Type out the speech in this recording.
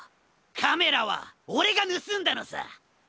カメラはオレがぬすんだのさ！